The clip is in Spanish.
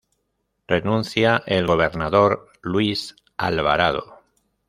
Renuncia el gobernador Luis Alvarado.